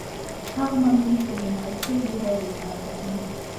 هغه مامورین چي ګمارل شوي دي باید اطاعت وکړي.